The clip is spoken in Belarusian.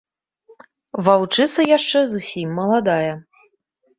Ваўчыца яшчэ зусім маладая.